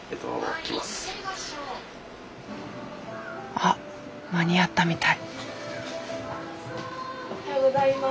あっ間に合ったみたい。